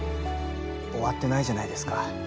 終わってないじゃないですか。